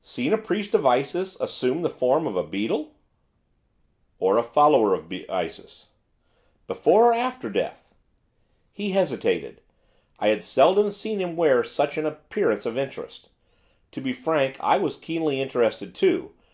'Seen a priest of Isis assume the form of a beetle?' 'Or a follower of Isis?' 'Before, or after death?' He hesitated. I had seldom seen him wear such an appearance of interest, to be frank, I was keenly interested too!